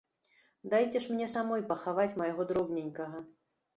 Дайце ж мне самой пахаваць майго дробненькага.